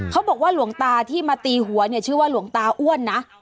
เขาบอกว่าหลวงตาที่มาตีหัวเนี่ยชื่อว่าหลวงตาอ้วนนะ